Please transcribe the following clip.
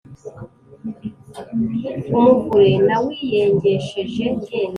umuvure nawiyengesheje jyenyine,